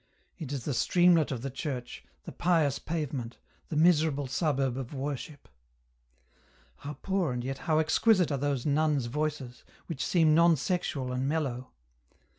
It is the streamlet of the church, the pious pavement, the miserable suburb of worship. " How poor and yet how exquisite are those nuns' voices, which seem non sexual and mellow